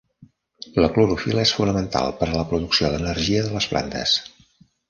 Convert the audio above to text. La clorofil·la és fonamental per a la producció d'energia de les plantes.